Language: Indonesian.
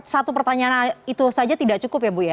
satu pertanyaan itu saja tidak cukup ya bu ya